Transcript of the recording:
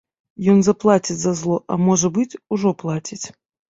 Ён заплаціць за зло, а можа быць, ужо плаціць.